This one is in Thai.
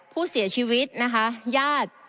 ผู้เสียชีวิตนะคะญาติ